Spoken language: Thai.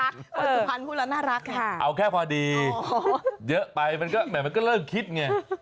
สุภัณฐ์เอาจะเรียก